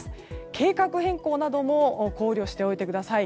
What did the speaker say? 計画変更なども考慮しておいてください。